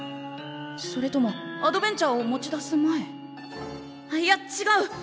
それともアドベン茶を持ち出す前？いやちがう。